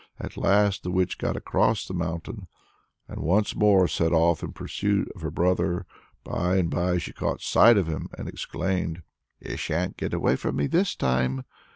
At last the witch got across the mountain, and once more set off in pursuit of her brother. By and by she caught sight of him, and exclaimed: "You sha'n't get away from me this time!"